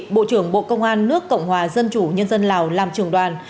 bộ trưởng bộ công an nước cộng hòa dân chủ nhân dân lào làm trưởng đoàn